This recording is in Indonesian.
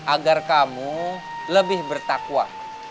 agar kamu lebih bertakwa